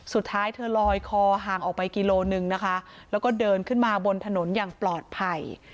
สุดท้ายเธอลอยคอห่างออกไปกิโลหนึ่งนะคะแล้วก็เดินขึ้นมาบนถนนอย่างปลอดภัย